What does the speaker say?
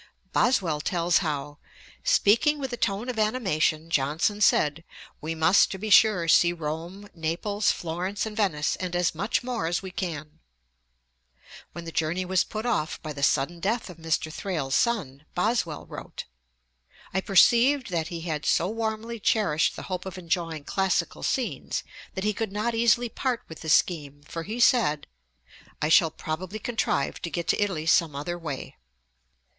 Boswell tells how 'Speaking with a tone of animation Johnson said, "We must, to be sure, see Rome, Naples, Florence, and Venice, and as much more as we can."' Ante, iii. 19. When the journey was put off by the sudden death of Mr. Thrale's son, Boswell wrote: 'I perceived that he had so warmly cherished the hope of enjoying classical scenes, that he could not easily part with the scheme; for he said, "I shall probably contrive to get to Italy some other way."'